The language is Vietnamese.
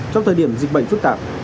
trong thời điểm dịch bệnh phức tạp